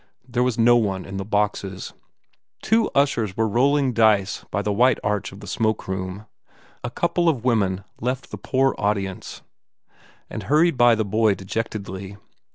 There was no one in the boxes. Two ushers were rolling dice by the white arch of the smokeroom. A couple of women left the poor audience and hurried by the boy dejectedly.